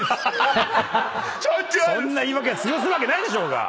そんな言い訳通用するわけないでしょうが！